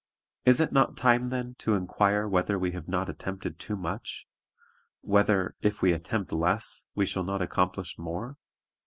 Is it not time, then, to inquire whether we have not attempted too much; whether, if we attempt less, we shall not accomplish more?